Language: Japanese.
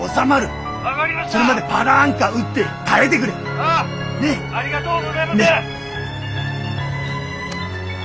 ありがとうございます。